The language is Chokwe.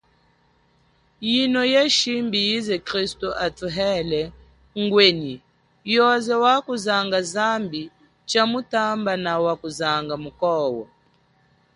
Yino ye shimbi yize kristu atuhele ngwenyi yoze wakuzanga zambi chamutamba nawa kuzanga mukwo.